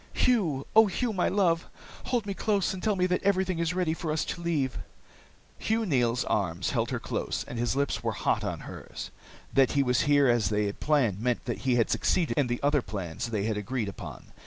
"Hugh! Oh, Hugh, my love, hold me close and tell me that everything is ready for us to leave!" Hugh Neils' arms held her close, and his lips were hot on hers. That he was here as they had planned meant that he had succeeded in the other plans they had agreed upon.